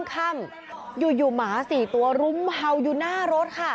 ค่ำอยู่หมา๔ตัวรุมเห่าอยู่หน้ารถค่ะ